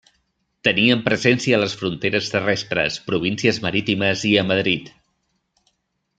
Tenien presència a les fronteres terrestres, províncies marítimes i a Madrid.